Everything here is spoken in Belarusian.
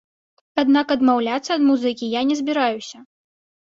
Аднак адмаўляцца ад музыкі я не збіраюся.